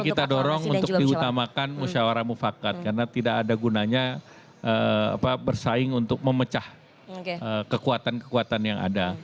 kita dorong untuk diutamakan musyawarah mufakat karena tidak ada gunanya bersaing untuk memecah kekuatan kekuatan yang ada